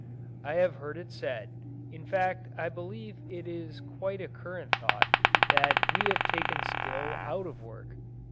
I have heard it said, in fact I believe it is quite a current thought, that we have taken skill out of work.